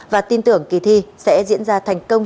và tin tưởng kỳ thi sẽ diễn ra thành công